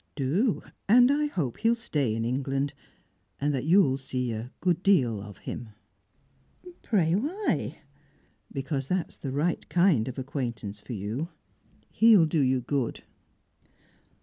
"Do. And I hope he'll stay in England, and that you'll see a good deal of him." "Pray, why?" "Because that's the right kind of acquaintance for you, he'll do you good."